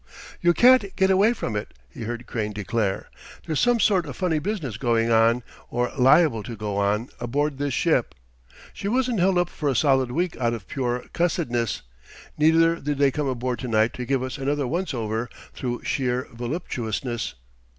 "You can't get away from it," he heard Crane declare: "there's some sort of funny business going on, or liable to go on, aboard this ship. She wasn't held up for a solid week out of pure cussedness. Neither did they come aboard to night to give us another once over through sheer voluptuousness.